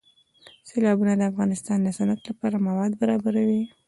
سیلابونه د افغانستان د صنعت لپاره مواد برابروي.